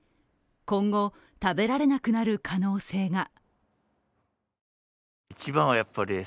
今後、食べられなくなる可能性が。